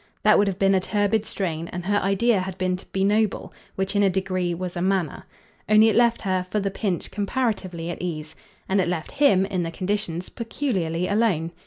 That would have been a turbid strain, and her idea had been to be noble; which, in a degree, was a manner. Only it left her, for the pinch, comparatively at ease. And it left HIM, in the conditions, peculiarly alone.